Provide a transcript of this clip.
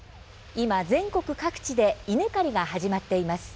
今、全国各地で稲刈りが始まっています。